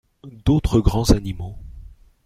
D’autres grands animaux.